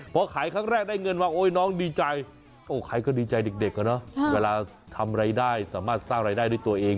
พอขายครั้งแรกได้เงินมาโอ๊ยน้องดีใจใครก็ดีใจเด็กอะเนาะเวลาทำรายได้สามารถสร้างรายได้ด้วยตัวเอง